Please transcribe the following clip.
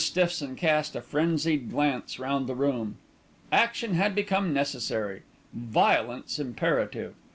Stiffson cast a frenzied glance round the room. Action had become necessary, violence imperative.